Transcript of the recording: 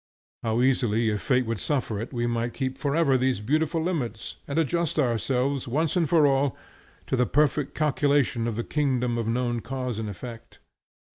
How easily, if fate would suffer it, we might keep forever these beautiful limits, and adjust ourselves, once for all, to the perfect calculation of the kingdom of known cause and effect.